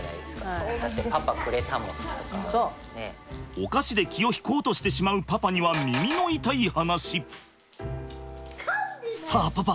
お菓子で気を引こうとしてしまうパパにはさあパパ